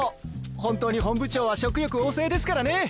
ホントに本部長は食欲旺盛ですからね。